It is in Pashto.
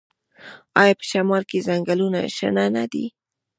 آیا په شمال کې ځنګلونه شنه نه دي؟